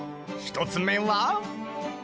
１つ目は。